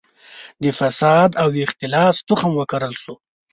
د فساد او اختلاس تخم وکرل شو.